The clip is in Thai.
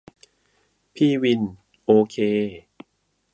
พี่วิน : โอเค